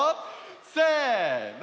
せの！